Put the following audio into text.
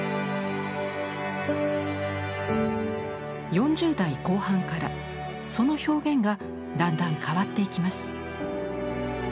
４０代後半からその表現がだんだん変わっていきます。